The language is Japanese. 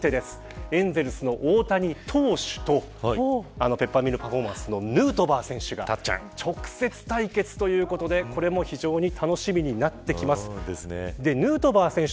あさってはエンゼルスの大谷選手とペッパーミルパフォーマンスのヌートバー選手が直接対決ということでこれも非常に楽しみになってきます。